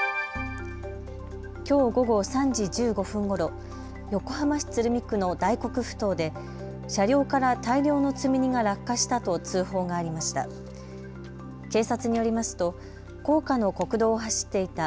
きょう午後３時１５分ごろ横浜市鶴見区の大黒ふ頭で車両から大量の積み荷が落下したと通報がありました。